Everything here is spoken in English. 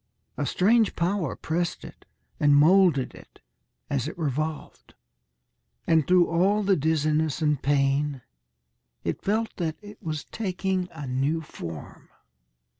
A strange power pressed it and moulded it, as it revolved, and through all the dizziness and pain it felt that it was taking a new form.